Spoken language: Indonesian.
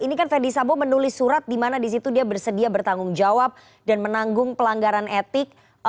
ini kan fendi sambo menulis surat di mana di situ dia bersedia bertanggung jawab dan menanggung pelanggaran etik